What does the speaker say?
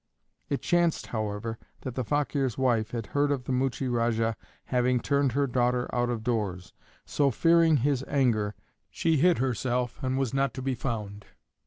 It chanced, however, that the Fakeer's wife had heard of the Muchie Rajah having turned her daughter out of doors; so, fearing his anger, she hid herself, and was not to be found.